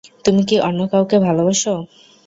তুমি কি অন্য কাউকে ভালোবাসো?